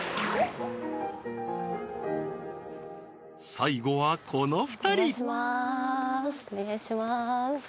最後はこの２人お願いしますお願いします